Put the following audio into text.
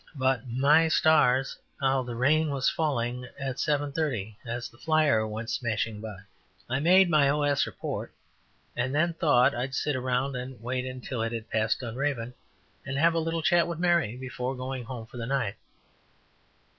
But, my stars! how the rain was falling at seven thirty as the flyer went smashing by. I made my "OS" report and then thought I'd sit around and wait until it had passed Dunraven and have a little chat with Mary, before going home for the night.